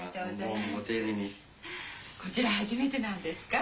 こちらはじめてなんですか？